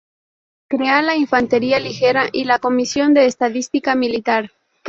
Crea la infantería ligera y la comisión de estadística militar.